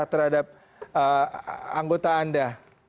terhadap anggota anda